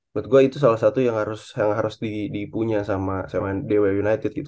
buat gue itu salah satu yang harus yang harus di di punya sama sama dewa united gitu